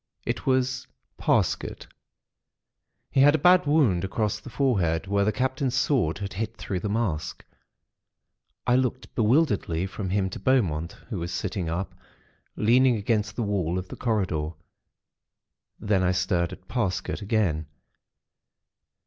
It was Parsket. He had a bad wound across the forehead, where the Captain's sword had hit through the mask. I looked bewilderedly from him to Beaumont, who was sitting up, leaning against the wall of the corridor. Then I stared at Parsket, again.